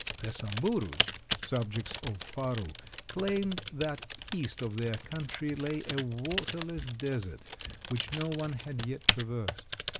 The Samburus subjects of Faru claimed that east of their country lay a waterless desert which no one had yet traversed.